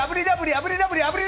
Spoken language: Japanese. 炙りラブリー炙り